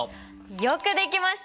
よくできました！